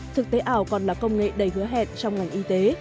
thực tế ảo còn là công nghệ đầy hứa hẹn trong ngành y tế